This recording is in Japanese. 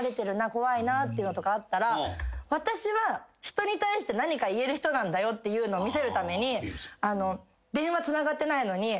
怖いなっていうのとかあったら私は人に対して何か言える人なんだよっていうのを見せるために。